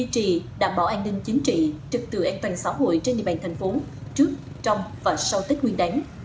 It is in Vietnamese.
tình chính trị trực tự an toàn xã hội trên địa bàn thành phố trước trong và sau tết nguyên đánh